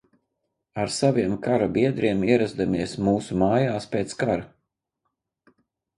Ar saviem kara biedriem ierazdamies mūsu mājās pēc kara.